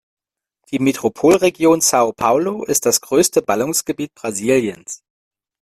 Die Metropolregion São Paulo ist das größte Ballungsgebiet Brasiliens.